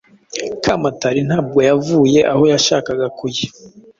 Kamatari ntabwo yavuze aho yashakaga kujya.